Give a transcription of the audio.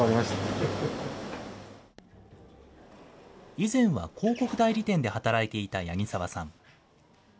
以前は広告代理店で働いていた八木沢さん。